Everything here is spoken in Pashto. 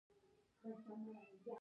دوی د اورګاډي چټک سیسټم لري.